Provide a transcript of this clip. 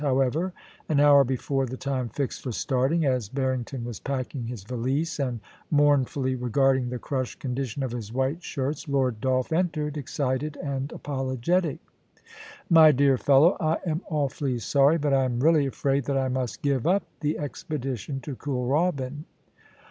However, an hour before the time fixed for starting, as Harrington was packing his valise and mournfully regarding the crushed condition of his white shirts. Lord Dolph entered, excited and apolo getic : *My dear fellow, I am awfully sorry, but I am really afraid that I must give up the expedition to Kooralbyn.